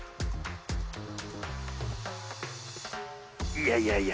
いやいやいや。